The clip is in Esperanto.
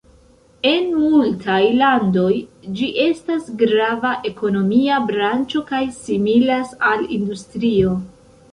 En multaj landoj ĝi estas grava ekonomia branĉo kaj similas al industrio.